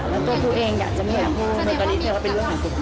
แล้วตัวปูเองก็จะไม่อยากพูด